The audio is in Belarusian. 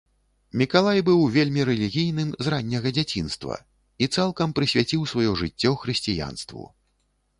Мікалай быў вельмі рэлігійным з ранняга дзяцінства і цалкам прысвяціў сваё жыццё хрысціянству.